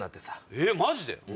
えっマジで？